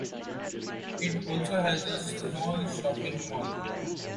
It also has a small shopping mall.